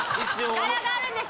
柄があるんです。